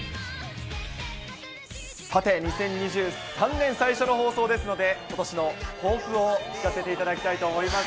さて、２０２３年、最初の放送ですので、ことしの抱負を聞かせていただきたいと思います。